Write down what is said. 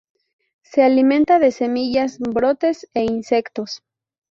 Se alimenta de semillas, brotes e insectos.